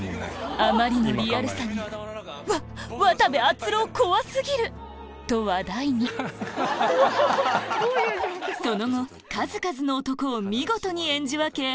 あまりのリアルさに「うわっ渡部篤郎怖過ぎる！」と話題にその後数々の男を見事に演じ分け